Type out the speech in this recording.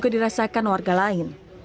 juga dirasakan warga lain